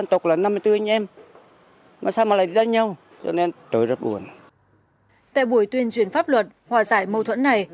tại buổi tuyên truyền pháp luật hòa giải mâu thuẫn này